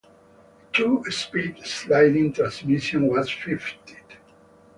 A two-speed sliding transmission was fitted.